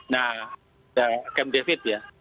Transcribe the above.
nah kem david ya